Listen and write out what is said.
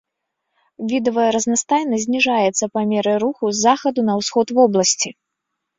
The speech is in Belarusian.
Відавая разнастайнасць зніжаецца па меры руху з захаду на ўсход вобласці.